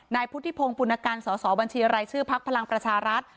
นายพุทธิพงศ์ปุณการสอสอบัญชีรายชื่อพักพลังประชารัฐ